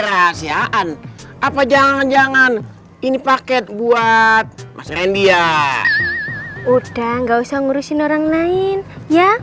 kasihan apa jangan jangan ini paket buat mas rendy ya udah nggak usah ngurusin orang lain ya